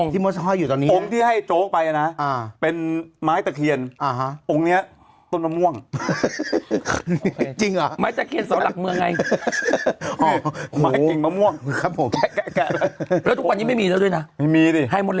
พี่ต้องไปอยู่แหละชั้นสององค์นะพี่มอสฮ่อยอยู่ตรงไหน